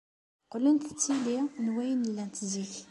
Qqlent d tili n wayen llant zik.